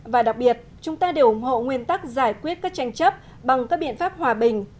và đặc biệt chúng ta đều ủng hộ nguyên tắc giải quyết các tranh chấp bằng các biện pháp hòa bình